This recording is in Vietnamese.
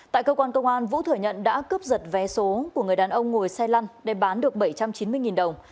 tại cơ quan công an vũ thừa nhận đã cướp giật vé số của người đàn ông ngồi xe lăn đem bán được bảy trăm chín mươi đồng